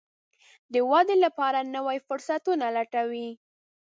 د ودې لپاره نوي فرصتونه لټوي.